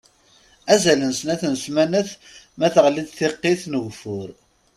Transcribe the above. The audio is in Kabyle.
Azal n snat n ssamanat ma teɣli-d tiqqit n ugeffur.